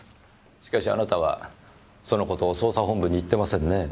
しかしあなたはその事を捜査本部に言ってませんね。